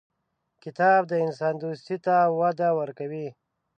کتاب د انسان دوستي ته وده ورکوي.